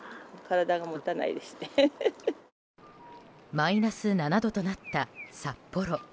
マイナス７度となった札幌。